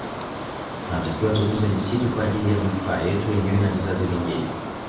Tunatakiwa tutunze misitu kwa ajili ya manufaa yetu wenyewe na vizazi vingine